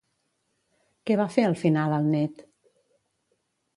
Què va fer al final el net?